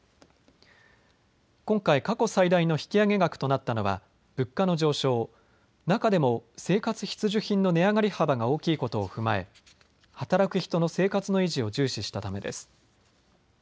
今回、過去最大の引き上げ額となったのは物価の上昇、中でも生活必需品の値上がり幅が大きいことを踏まえ働く人の生活の維持を重視したためです。